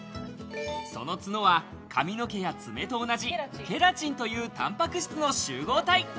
その角は髪の毛や爪と同じ、ケラチンというタンパク質の集合体。